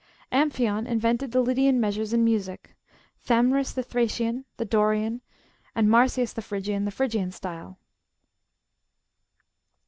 Amphion inYent<.^d the Lydian measures in music ; ThamjTis the Thracian, tlie Dorian, and Marsyas the Phrygian, the Phiygian style.